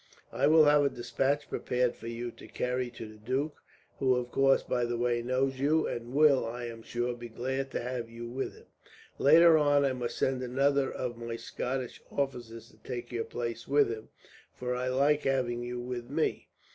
I will have a despatch prepared for you to carry to the duke; who of course, by the way, knows you, and will, I am sure, be glad to have you with him. Later on I must send another of my Scottish officers to take your place with him, for I like having you with me.